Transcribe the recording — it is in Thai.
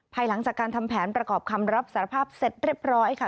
ภายหลังจากการทำแผนประกอบคำรับสารภาพเสร็จเรียบร้อยค่ะ